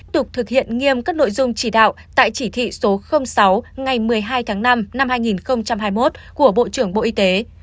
tiếp tục thực hiện nghiêm các nội dung chỉ đạo tại chỉ thị số sáu ngày một mươi hai tháng năm năm hai nghìn hai mươi một của bộ trưởng bộ y tế